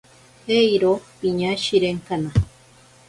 Eiro piñashirenkana.